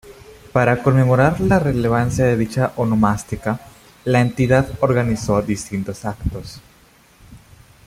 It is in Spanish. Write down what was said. Para conmemorar la relevancia de dicha onomástica, la Entidad organizó distintos actos.